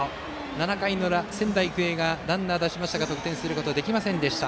７回の裏、仙台育英ランナーを出しましたが得点することはできませんでした。